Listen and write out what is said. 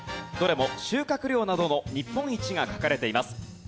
どれも収穫量などの日本一が書かれています。